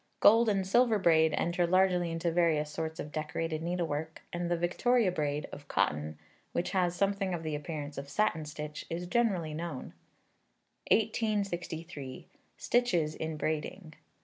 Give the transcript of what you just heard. Gold and silver braid enter largely into various sorts of decorated needlework, and the Victoria braid, of cotton, which has something of the appearance of satin stitch, is generally known. 1863. Stitches in Braiding.